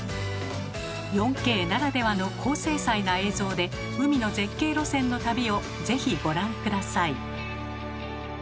４Ｋならではの高精細な映像で海の絶景路線の旅を是非ご覧下さい。